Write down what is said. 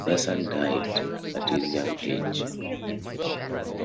Their son died at his young age.